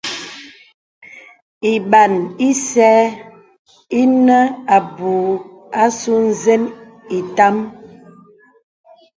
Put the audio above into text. Lbàn ìsə̀ inə abū àsū nzə̀n itàm.